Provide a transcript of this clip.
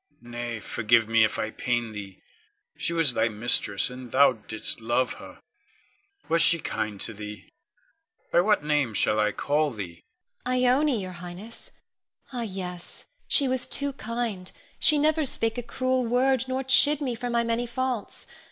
Nay, forgive me if I pain thee. She was thy mistress, and thou didst love her. Was she kind to thee? By what name shall I call thee? Ione. Ione, your Highness. Ah, yes; she was too kind. She never spake a cruel word, nor chid me for my many faults.